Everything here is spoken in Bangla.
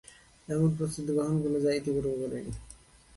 এমন প্রস্তুতি গ্রহণ করল যা ইতিপূর্বে করেনি।